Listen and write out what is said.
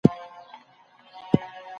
حافظه مي د عمر په تېرېدو پیاوړې سوه.